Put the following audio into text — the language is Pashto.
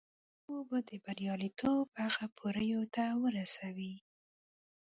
دا به مو د برياليتوب هغو پوړيو ته ورسوي.